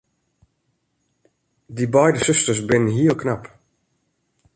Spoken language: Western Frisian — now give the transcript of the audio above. Dy beide susters binne heel knap.